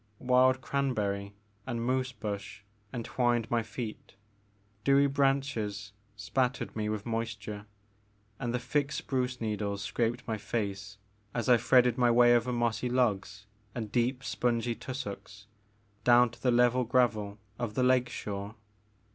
Wild cranberry and moose bush entwined my feet, dewy branches spattered me with moisture, and the thick spruce needles scraped my face as I threaded my way over mossy logs and deep spongy tussocks down to the level gravel of the lake shore.